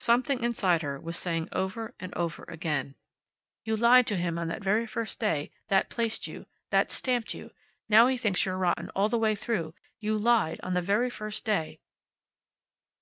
Something inside her was saying over and over again: "You lied to him on that very first day. That placed you. That stamped you. Now he thinks you're rotten all the way through. You lied on the very first day."